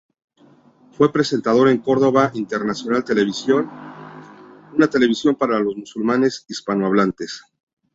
Fue presentador en Córdoba Internacional Televisión, una televisión para los musulmanes hispanohablantes.